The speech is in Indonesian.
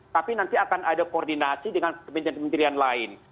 tapi nanti akan ada koordinasi dengan kementerian kementerian lain